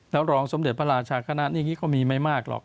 แล้วรองสมเด็จพระราชาคณะอย่างนี้ก็มีไม่มากหรอก